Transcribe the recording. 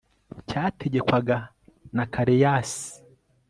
cyategekwaga na kereyasi